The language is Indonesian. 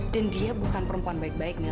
dan dia bukan perempuan baik baik mil